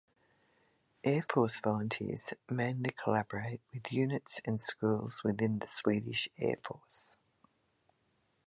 Air Force Volunteers mainly collaborate with units and schools within the Swedish Air Force.